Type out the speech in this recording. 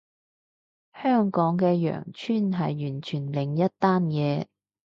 香港嘅羊村係完全另一單嘢